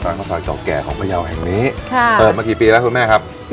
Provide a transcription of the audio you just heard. ข้าวซอยเก่าแก่ของพยาวแห่งนี้ค่ะเปิดมากี่ปีแล้วคุณแม่ครับ